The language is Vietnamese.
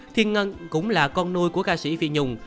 thiên ngân cũng là con nuôi của ca sĩ vị nhung